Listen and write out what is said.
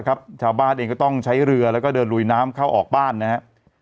ชาวบ้านเองก็ต้องใช้เรือแล้วก็เดินลุยน้ำเข้าออกบ้านนะครับ